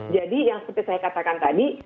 jadi yang seperti saya katakan tadi